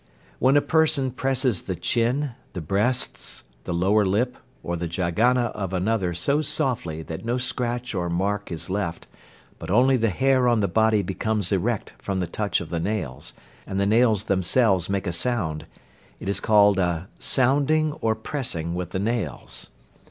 When a person presses the chin, the breasts, the lower lip, or the jaghana of another so softly that no scratch or mark is left, but only the hair on the body becomes erect from the touch of the nails, and the nails themselves make a sound, it is called a "sounding or pressing with the nails."